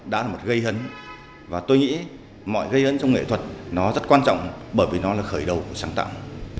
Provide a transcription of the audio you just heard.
đã là một gây hấn và tôi nghĩ mọi gây hấn trong nghệ thuật nó rất quan trọng bởi vì nó là khởi đầu của sáng tạo